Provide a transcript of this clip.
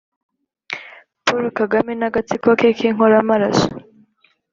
Paul Kagame n'agatsiko ke k'inkoramaraso.